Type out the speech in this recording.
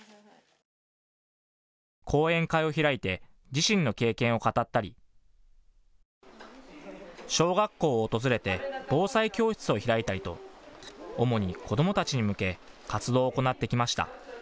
講演会を開いて自身の経験を語ったり、小学校を訪れて防災教室を開いたりと主に子どもたちに向け、活動を行ってきました。